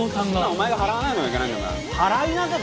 お前が払わないのがいけないんだお前払いなさい。